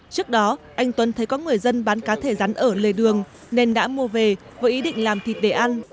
trước đó anh tuấn thấy có người dân bán cá thể rắn ở lề đường nên đã mua về với ý định làm thịt để ăn